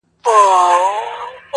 څو لفظونه مي د میني ورته ورکړه-